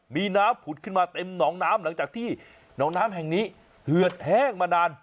มีน้ำผุดขึ้นมาเต็มหนองน้ำหลังจากที่หนองน้ำแห่งนี้เหือดแห้งมานาน